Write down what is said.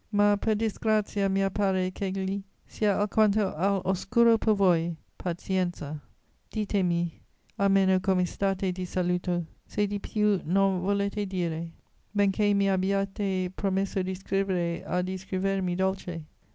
Ma per disgrazia mia pare ch'egli sia alquanto all'oscuro per voi. Pazienza! Ditemi almeno come state di saluto, se di più non volete dire; benchè mi abbiate promesso di scrivere a di scrivermi dolce.